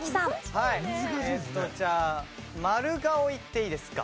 えっとじゃあ丸顔いっていいですか？